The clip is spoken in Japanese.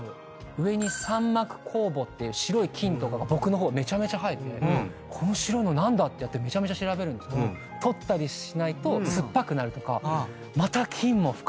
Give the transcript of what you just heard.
上に産膜酵母っていう白い菌とかが僕の方めちゃめちゃ生えてこの白いの何だ？ってやってめちゃめちゃ調べるんですけど取ったりしないと酸っぱくなるとかまた。